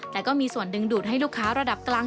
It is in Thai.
แต่ก็มีส่วนดึงดูดให้ลูกค้าระดับกลาง